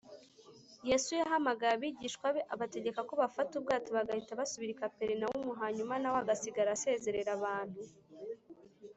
yesu yahamagaye abigishwa be, abategeka ko bafata ubwato bagahita basubira i kaperinawumu, hanyuma na we agasigara asezerera abantu